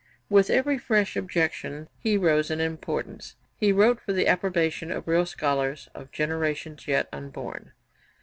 With every fresh objection he rose in importance. He wrote for the approbation of real scholars of generations yet unborn.